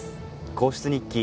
『皇室日記』